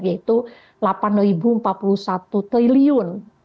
yaitu delapan empat puluh satu ton